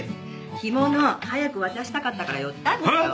干物早く渡したかったから寄ったのよ。